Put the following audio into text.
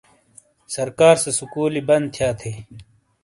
سرکارسے سکولی بند تھیا تھیئی